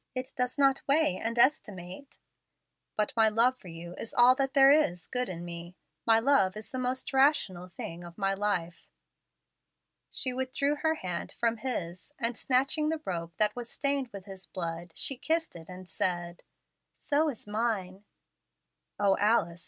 It does not weigh and estimate." "But my love for you is all that there is good in me. My love is the most rational thing of my life." She withdrew her hand from his, and, snatching the rope that was stained with his blood, she kissed it and said, "So is mine." "O Alice!